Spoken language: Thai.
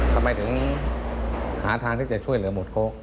ทำไมถึงหาทางที่จะช่วยเหลือหมดโค้ก